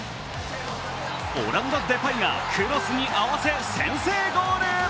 オランダ・デパイがクロスに合わせ先制ゴール。